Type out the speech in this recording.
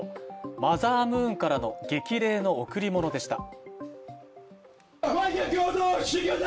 マザームーンからの激励の贈り物でした。